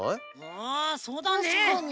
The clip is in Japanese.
あそうだねえ。たしかに。